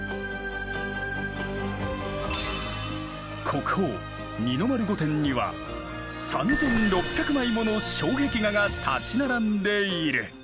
国宝二の丸御殿には３６００枚もの障壁画が立ち並んでいる。